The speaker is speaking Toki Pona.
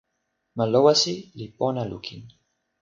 ma Lowasi li pona lukin.